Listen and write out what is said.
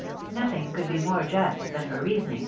Nothing could be more just than her rrnnnning....